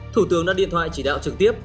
thủ tướng đã điện thoại chỉ đạo trực tiếp